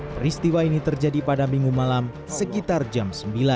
peristiwa ini terjadi pada minggu malam sekitar jam sembilan